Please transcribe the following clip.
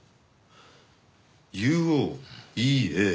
「ＵＯ」「ＥＡ」。